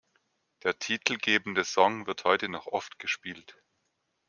Der titelgebende Song wird heute noch oft gespielt.